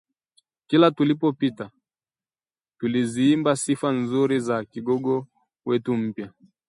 Kila tulipopita, tuliziimba sifa nzuri za kigogo wetu mpya